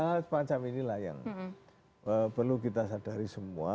nah sebagai alat alat pancam inilah yang perlu kita sadari semua